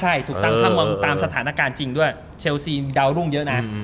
ใช่ถูกต้องถ้ามองตามสถานการณ์จริงด้วยเชลซีนดาวรุ่งเยอะนะ